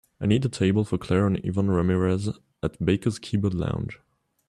I need a table for clare and yvonne ramirez at Baker's Keyboard Lounge